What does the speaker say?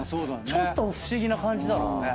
ちょっと不思議な感じだろうね。